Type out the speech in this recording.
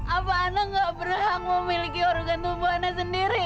apa anak gak berhak memiliki organ tubuh anak sendiri